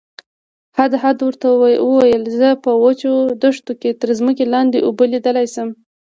هدهد ورته وویل زه په وچو دښتو کې تر ځمکې لاندې اوبه لیدلی شم.